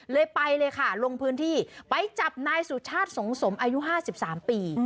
เลยไปเลยค่ะลงพื้นที่ไปจับนายสุชาติสงสมอายุห้าสิบสามปี